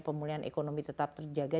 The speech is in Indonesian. pemulihan ekonomi tetap terjaga